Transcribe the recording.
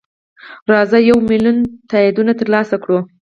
راځه یو میلیون تاییدونه ترلاسه کړو.